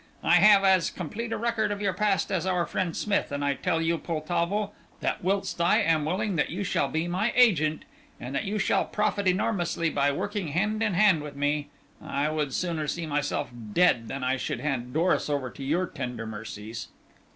I have as complete a record of your past as our friend Smith, and I tell you, Poltavo, that whilst I am willing that you shall be my agent, and that you shall profit enormously by working hand in hand with me, I would sooner see myself dead than I should hand Doris over to your tender mercies."